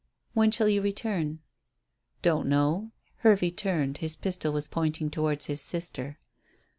"When shall you return?" "Don't know." Hervey turned; his pistol was pointing towards his sister.